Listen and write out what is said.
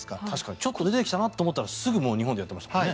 ちょっと出てきたなと思ったらすぐに日本でやってましたね。